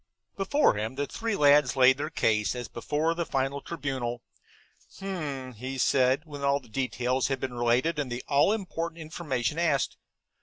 Before him the three lads laid their case, as before the final tribunal. "H'm," said he, when all the details had been related and the all important information asked.